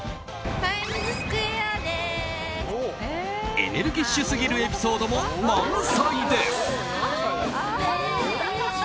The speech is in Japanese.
エネルギッシュすぎるエピソードも満載です。